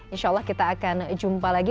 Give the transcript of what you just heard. insya allah kita akan jumpa lagi